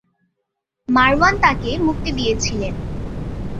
মারওয়ান তাকে মুক্তি দিয়েছিলেন।